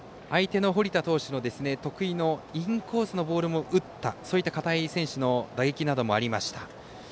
相手の堀田投手の得意のインコースのボールも打ったそういった片井選手の打撃などもありました。